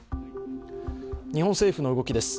日本政府の動きです。